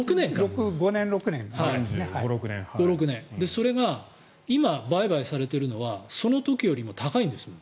それが今、売買されているのはその時よりも高いんです。